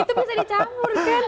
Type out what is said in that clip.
itu bisa dicampur kan